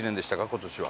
今年は。